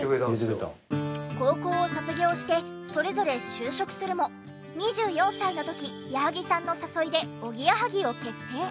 高校を卒業してそれぞれ就職するも２４歳の時矢作さんの誘いでおぎやはぎを結成。